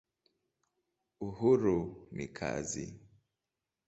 Uhuru ni kazi.